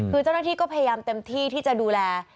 คือเจ้าหน้าที่ก็พยายามเต็มที่ที่จะดูแล